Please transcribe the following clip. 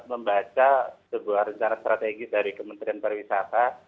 membaca sebuah rencana strategis dari kementerian pariwisata